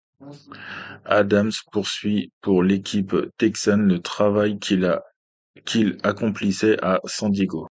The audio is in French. Adams poursuit pour l'équipe texane le travail qu'il accomplissait à San Diego.